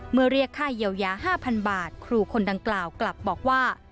เรียกค่าเยียวยา๕๐๐๐บาทครูคนดังกล่าวกลับบอกว่า